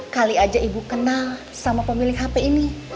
kali aja ibu kenal sama pemilik hp ini